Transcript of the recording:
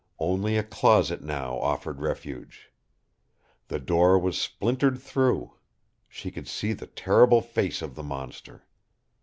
Only a closet now offered refuge. The door was splintered through. She could see the terrible face of the monster.